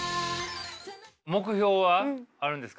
目標はあるんですか？